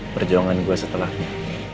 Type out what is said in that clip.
perjuangan gue setelahnya